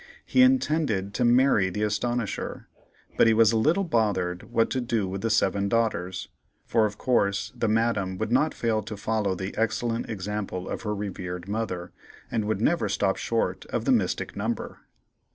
He intended to marry the Astonisher, but he was a little bothered what to do with the seven daughters, for of course the Madame would not fail to follow the excellent example of her revered mother, and would never stop short of the mystic number.